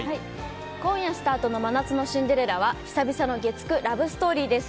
今夜スタートの「真夏のシンデレラ」は久々の月９ラブストーリーです。